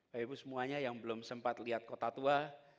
bapak ibu semuanya yang belum sempat lihat kota tua